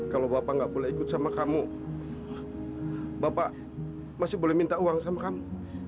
kalau bapak nggak boleh ikut sama kamu bapak masih boleh minta uang sama kamu